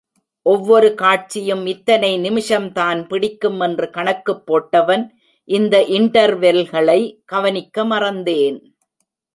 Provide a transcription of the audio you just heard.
ஒவ்வொரு காட்சியும் இத்தனை நிமிஷம்தான் பிடிக்கும் என்று கணக்குப் போட்டவன், இந்த இண்டர்வெல்களை கவனிக்க மறந்தேன்.